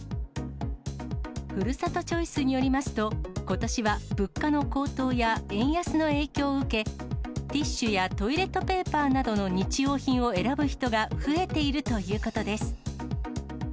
ふるさとチョイスによりますと、ことしは物価の高騰や円安の影響を受け、ティッシュやトイレットペーパーなどの日用品を選ぶ人が増えているということです。